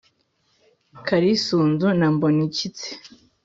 karisunzu na mbonikitse